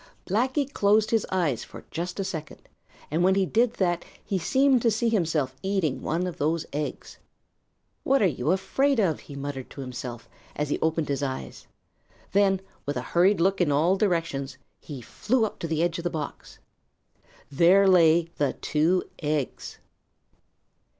Blacky closed his eyes for just a second, and when he did that he seemed to see himself eating one of those eggs. "What are you afraid of?" he muttered to himself as he opened his eyes. Then with a hurried look in all directions, he flew up to the edge of the box. There lay the two eggs!